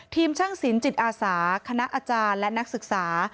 ช่างสินจิตอาสาคณะอาจารย์และนักศึกษา